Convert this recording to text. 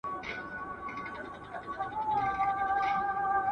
نړیوال سوداګریز سیسټم د ټولو په ګټه دی.